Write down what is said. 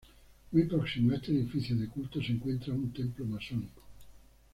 Muy próximo a este edificio de culto se encuentra un templo masónico.